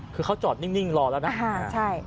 คือเขาจอดนิ่งรอแล้วนะใช่